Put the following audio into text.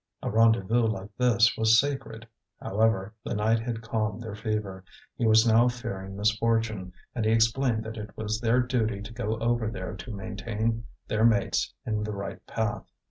A rendezvous like this was sacred. However, the night had calmed their fever; he was now fearing misfortune, and he explained that it was their duty to go over there to maintain their mates in the right path.